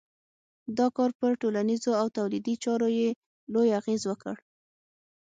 دا کار پر ټولنیزو او تولیدي چارو یې لوی اغېز وکړ.